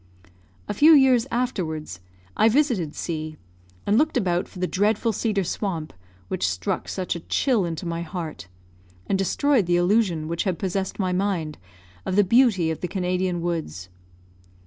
A few years afterwards, I visited C , and looked about for the dreadful cedar swamp which struck such a chill into my heart, and destroyed the illusion which had possessed my mind of the beauty of the Canadian woods.